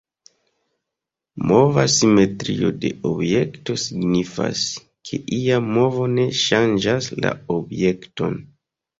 Mova simetrio de objekto signifas, ke ia movo ne ŝanĝas la objekton.